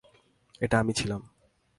এটা আমি ছিলাম।